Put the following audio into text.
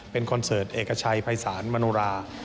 เป็นคอนเสิร์ตเอกชัยภัยศาลมโนรา